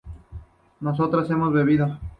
nosotras hemos bebido